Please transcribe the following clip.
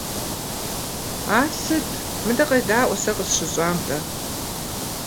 Ар сыт! Мыдэ къедаӀуэ сэ къысщыщӀам-тӀэ.